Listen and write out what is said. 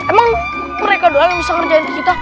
emang mereka doang yang bisa ngerjain kita